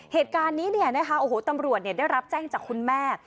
เหตุการณ์นี้เนี่ยนะคะโอ้โหตำรวจได้รับแจ้งจากคุณแม่